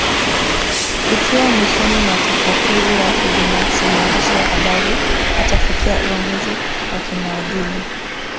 Ikiwa mwishoni mwa tafakuri yake binafsi mwandishi wa habari atafikia uamuzi wa kimaadili